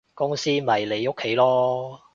公司咪你屋企囉